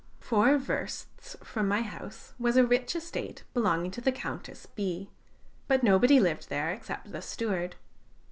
Four versts from my house was a rich estate belonging to the Countess B ; but nobody lived there except the steward.